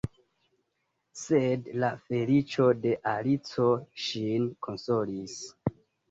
Sed la feliĉo de Alico ŝin konsolis.